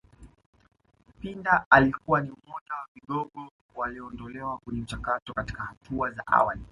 Pinda alikuwa ni mmoja wa vigogo walioondolewa kwenye mchakato katika hatua za awali